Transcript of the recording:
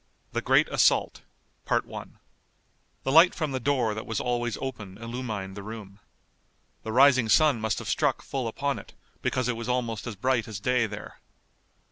THE GREAT ASSAULT The light from the door that was always open illumined the room. The rising sun must have struck full upon it, because it was almost as bright as day there.